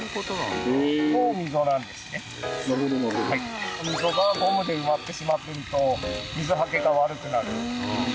溝がゴムで埋まってしまってると水はけが悪くなる。